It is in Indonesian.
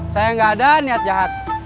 saya nggak ada niat jahat